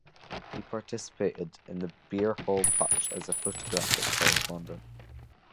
He participated in the Beer Hall Putsch as a photographic correspondent.